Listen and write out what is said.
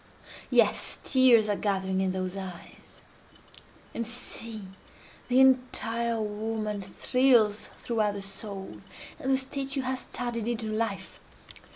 Yes! tears are gathering in those eyes—and see! the entire woman thrills throughout the soul, and the statue has started into life!